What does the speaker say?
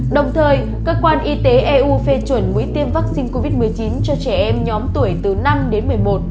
đồng thời cơ quan y tế eu phê chuẩn mũi tiêm vaccine covid một mươi chín cho trẻ em nhóm tuổi từ năm đến một mươi một